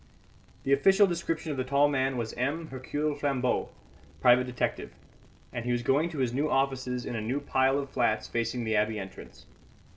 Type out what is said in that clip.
The official description of the tall man was M. Hercule Flambeau, private detective, and he was going to his new offices in a new pile of flats facing the Abbey entrance.